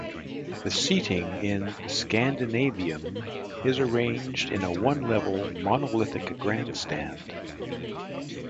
The seating in Scandinavium is arranged in a one-level monolithic grandstand.